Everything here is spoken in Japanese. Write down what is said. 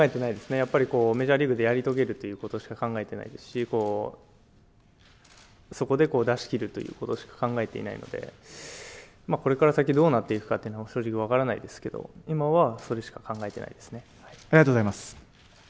やっぱりメジャーリーグでやり遂げるということしか考えてないですし、そこで出し切るということしか考えていないので、これから先、どうなっていくかというのは、正直分からないですけれども、今は、それしか考えてないですね。